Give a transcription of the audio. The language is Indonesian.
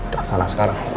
tak salah sekarang aku ikut